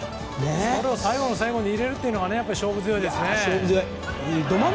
それを最後の最後に入れるというのが勝負強いですよね。